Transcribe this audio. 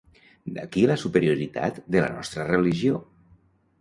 D'aquí la superioritat de la nostra religió.